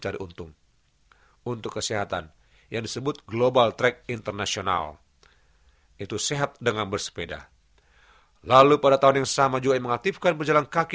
dan sehat sehati sehat rohani